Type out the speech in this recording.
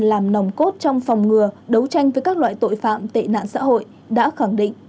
làm nòng cốt trong phòng ngừa đấu tranh với các loại tội phạm tệ nạn xã hội đã khẳng định